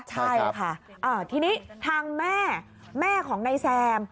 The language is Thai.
ใช่ค่ะทีนี้ทางแม่แม่ของนายแซม